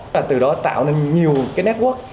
và từ đó tạo nên nhiều cái network